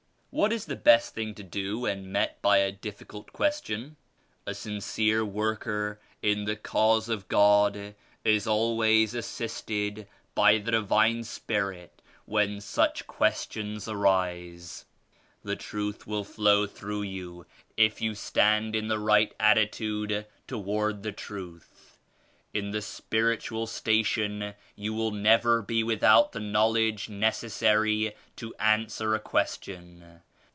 "What is the best thing to do when met by a. difficult question?" "A sincere worker in the Cause of God is always assisted by the Divine Spirit when such questions arise. The Truth will flow through you if you stand in the right attitude toward the Truth. In the Spiritual Station you will never be without the Knowledge necessary to answer a question.